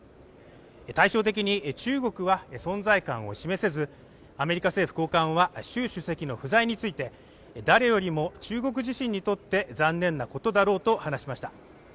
対照的に中国は存在感を示せず、アメリカ政府高官は習主席の不在について誰よりも中国自身にとって残念なことだろうと話しました。